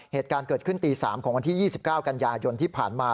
เหตุการณ์เกิดขึ้นตี๓ของวันที่๒๙กันยายนที่ผ่านมา